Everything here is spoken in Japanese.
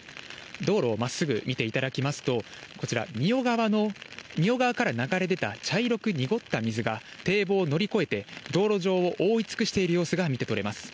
道路をまっすぐ見ていただきますと、こちら、三代川の、三代川から流れ出た茶色く濁った水が、堤防を乗り越えて、道路上を覆い尽くしている様子が見て取れます。